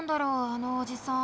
あのおじさん。